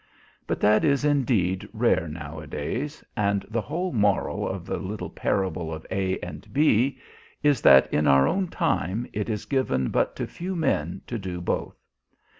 But that is, indeed, rare nowadays, and the whole moral of the little parable of A and B is that in our own time it is given but to few men to do both.